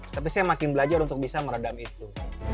tapi saya makin belajar untuk bisa meredam itu